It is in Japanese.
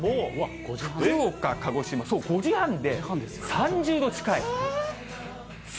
福岡、鹿児島、そう、５時半で３０度近い。